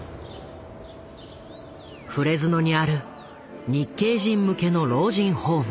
フレズノにある日系人向けの老人ホーム。